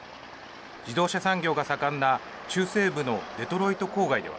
自動車産業が盛んな中西部のデトロイト郊外では。